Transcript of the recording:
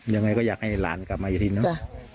ยังไงก็อยากให้หลานกลับมาอยู่ที่นั่น